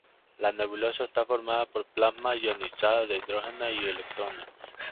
La nebulosa está formada por plasma ionizado de hidrógeno y electrones.